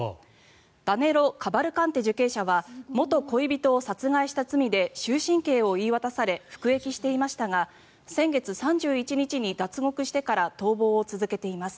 ダネロ・カバルカンテ受刑者は元恋人を殺害した罪で終身刑を言い渡され服役していましたが先月３１日に脱獄してから逃亡を続けています。